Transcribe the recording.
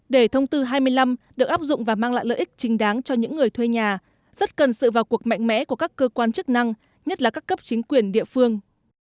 để thông tư hai mươi năm được áp dụng và mang lại lợi ích chính đáng cho những người thuê nhà rất cần sự vào cuộc mạnh mẽ của các cơ quan chức năng nhất là các cấp chính quyền địa phương